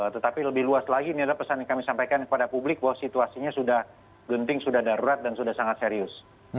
tetapi lebih luas lagi ini adalah pesan yang kami sampaikan kepada publik bahwa situasinya sudah genting sudah darurat dan sudah sangat serius